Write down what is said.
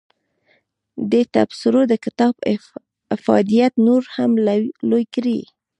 دې تبصرو د کتاب افادیت نور هم لوی کړی.